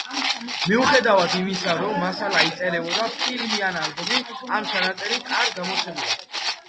მიუხედავად იმისა, რომ მასალა იწერებოდა, ფილმი ან ალბომი ამ ჩანაწერით არ გამოცემულა.